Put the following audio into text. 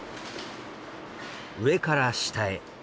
上から下へ。